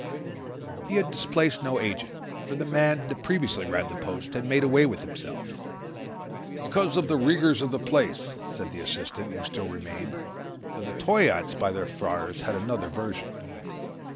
He had displaced no agent; for the man that previously ran the post had made away with himself; "because of the rigours of the place," said the assistant, who still remained; though the Toyaats, by their fires, had another version.